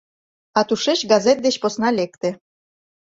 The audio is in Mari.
А тушеч газет деч посна лекте.